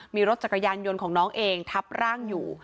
มีรถจักรยานยนต์ของน้องเองทับร่างอยู่